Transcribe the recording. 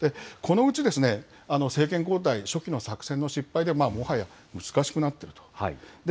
このうち、政権交代、初期の作戦の失敗でもはや難しくなっていると。